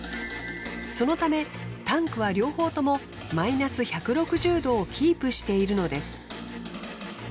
そのためタンクは両方ともマイナス１６０℃をキープしているのです。